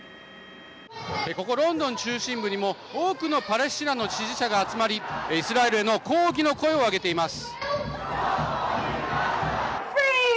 ここロンドン中心部にも多くのパレスチナの支持者が集まりイスラエルへの抗議の声を上げています。